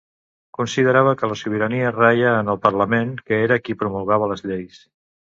Considerava que la sobirania raïa en el Parlament, que era qui promulgava les lleis.